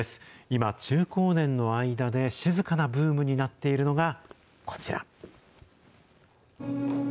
今、中高年の間で静かなブームになっているのがこちら。